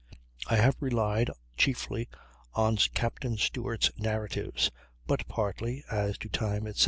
I have relied chiefly on Captain Stewart's narratives; but partly (as to time, etc.)